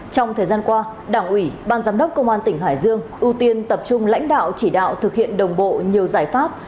trong thời gian qua đảng ủy ban giám đốc công an tỉnh hải dương ưu tiên tập trung lãnh đạo chỉ đạo thực hiện đồng bộ nhiều giải pháp